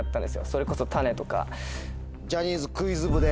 それこそ種とか。